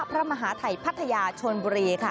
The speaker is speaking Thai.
พระมหาทัยพัทยาชนบุรีค่ะ